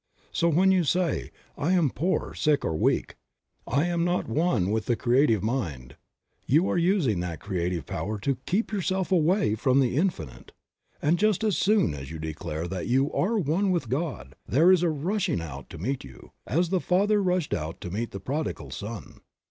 So when you say, "I am poor, sick or weak ; I am not one with the Creative Mind," you are using that creative power to keep yourself away from the Infinite; and just as soon as you declare that you are one with God, there is a rushing out to meet you, as the Father rushed out to meet the prodigal son.